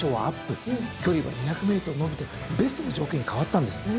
距離は２００ｍ延びてベストな条件に変わったんです。